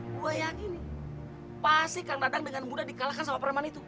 gue yakin nih pasti kang dadang dengan mudah dikalahkan sama pereman itu